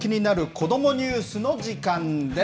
こどもニュースの時間です。